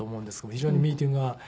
非常にミーティングがお好きで。